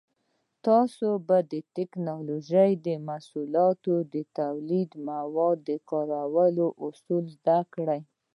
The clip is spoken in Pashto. تاسو به د ټېکنالوجۍ محصولاتو تولید کې د موادو کارولو اصول زده کړئ.